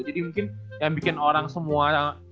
jadi mungkin yang bikin orang semua